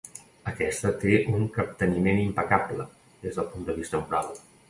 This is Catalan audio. Aquesta té un capteniment impecable, des del punt de vista moral.